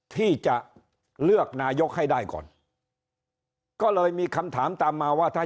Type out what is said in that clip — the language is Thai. ที่จะเลือกนายกให้ได้ก่อนก็เลยมีคำถามตามมาว่าถ้า